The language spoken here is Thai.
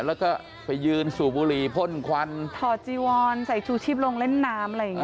แล้วก็ไปยืนสูบบุหรี่พ่นควันถอดจีวอนใส่ชูชีพลงเล่นน้ำอะไรอย่างเง